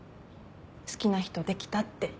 好きな人できたって。